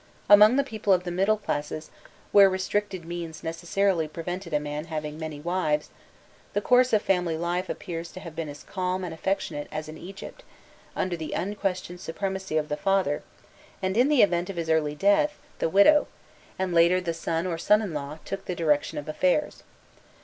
Among the people of the middle classes, where restricted means necessarily prevented a man having many wives, the course of family life appears to have been as calm and affectionate as in Egypt, under the unquestioned supremacy of the father: and in the event of his early death, the widow, and later the son or son in law, took the direction of affairs.